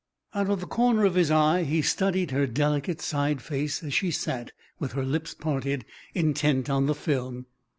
Out of the corner of his eye he studied her delicate side face as she sat, with her lips parted, intent on the film.